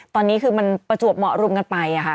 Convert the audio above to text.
ตอนนี้คือมันประจวบเหมาะรุมกันไปค่ะ